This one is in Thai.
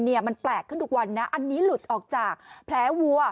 มันแปลกขึ้นทุกวันนะอันนี้หลุดออกจากแผลวัว